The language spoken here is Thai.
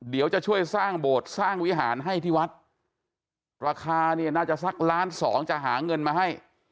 เดี๋ยวจะช่วยสร้างโบสถ์สร้างวิหารให้ที่วัดราคาเนี่ยน่าจะสักล้านสองจะหาเงินมาให้